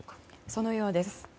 そのようです。